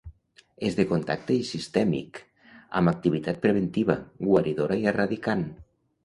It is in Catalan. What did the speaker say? És de contacte i sistèmic, amb activitat preventiva, guaridora i erradicant.